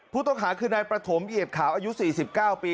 ผู้ต้องหาคือนายประถมเอียดขาวอายุ๔๙ปี